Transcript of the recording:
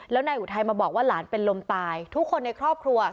แล้วนายอุทัยมาบอกว่าหลานเป็นลมตายทุกคนในครอบครัว